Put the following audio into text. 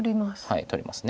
はい取ります。